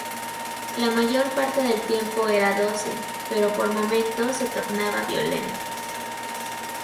La mayor parte del tiempo era dócil, pero por momentos se tornaba violento.